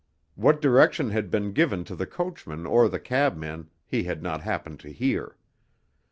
What direction had been given to the coachman or the cabman he had not happened to hear.